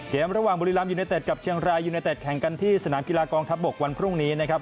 ระหว่างบุรีรัมยูเนเต็ดกับเชียงรายยูเนเต็ดแข่งกันที่สนามกีฬากองทัพบกวันพรุ่งนี้นะครับ